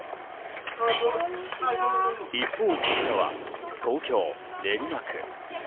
一方、こちらは東京・練馬区。